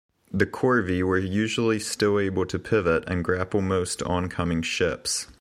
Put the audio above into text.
The "corvi" were usually still able to pivot and grapple most oncoming ships.